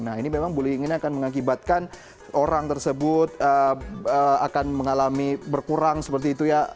nah ini memang bullying ini akan mengakibatkan orang tersebut akan mengalami berkurang seperti itu ya